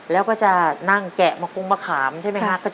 แล้วก็จะนั่งแกะมะคงมะขามใช่ไหมคะ